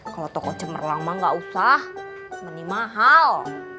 kalau toko cemerlang mah nggak usah mending mahal